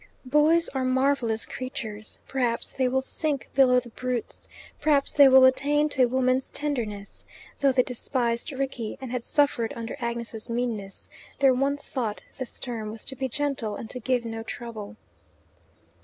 Boys are marvellous creatures. Perhaps they will sink below the brutes; perhaps they will attain to a woman's tenderness. Though they despised Rickie, and had suffered under Agnes's meanness, their one thought this term was to be gentle and to give no trouble.